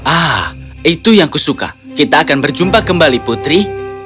ah itu yang kusuka kita akan berjumpa kembali putri